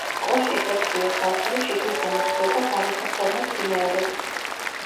კოშკის ექვსივე სართული შიგნითა მოცულობა გარეთა ფორმებს იმეორებს.